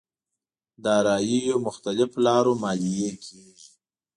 داراییو مختلف لارو ماليې کېږي.